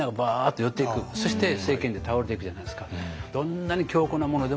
そして政権って倒れていくじゃないですか。